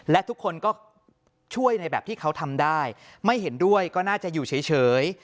และทุกคนก็ช่วยในแบบที่เขาทำได้ไม่เห็นด้วยก็น่าจะอยู่เฉย